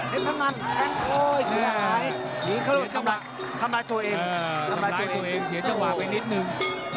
เห็นพะงานเสียหายหยีนเข้ารถทำร้ายตัวเอง